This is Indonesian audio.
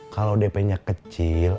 kalau dp nya kecil